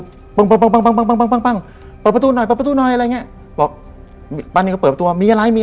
ป้านิมบอกป้านิมบอกป้านิมบอกป้านิมบอกป้านิมบอกป้านิมบอก